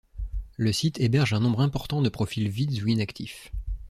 Le site héberge un nombre important de profils vides ou inactifs.